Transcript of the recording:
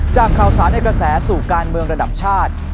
จากข่าวสารในกระแสสู่การเมืองระดับชาติ